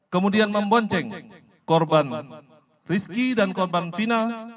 kemudian membonceng korban rizki dan korban final